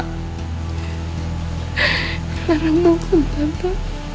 clara minggun tante